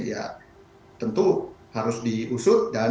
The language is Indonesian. ya tentu harus diusut dan